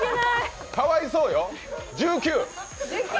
かわいそうよ、１９！